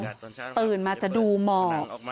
ตื่นมาจะดูหมอก